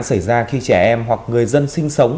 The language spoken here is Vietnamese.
xảy ra khi trẻ em hoặc người dân sinh sống